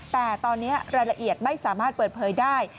แต่ตอนนี้รายละเอียดไม่สามารถเปิดเผยได้